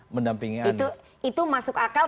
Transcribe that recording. mendampingi itu masuk akal